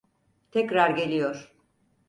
Tekrar geliyor!